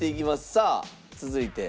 さあ続いて。